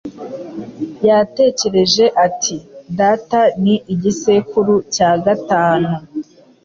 Yatekereje ati: "Data ni igisekuru cya gatanu."